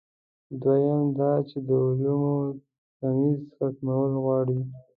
دویم دا چې د علومو تمیز ختمول غواړي.